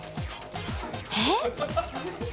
えっ？